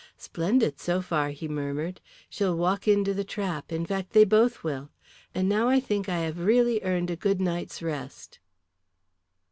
"Splendid so far," he murmured. "She'll walk into the trap, in fact they both will. And now I think I have really earned a good night's rest."